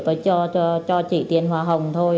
tôi cho chỉ tiền hòa hồng thôi